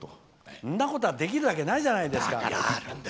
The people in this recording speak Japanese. そんなことはできるわけがないじゃないですか。